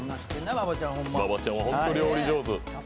馬場ちゃんは本当に料理上手。